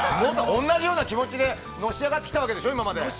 同じような気持ちで、のし上がってきたわけでしょう、今まで。